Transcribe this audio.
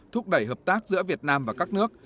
thúc đẩy hợp tác giữa việt nam và các nước